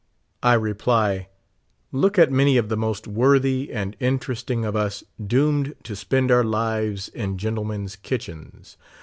I reply : Look at many of the most worthy and interesting of us doomed to spend our lives in gentlemen's kitchens.